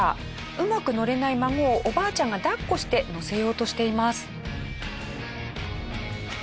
うまく乗れない孫をおばあちゃんが抱っこして乗せようとしています。